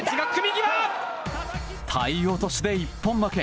体落としで一本負け。